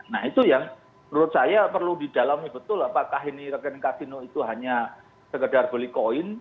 nah itu yang menurut saya perlu didalami betul apakah ini rekening kasino itu hanya sekedar beli koin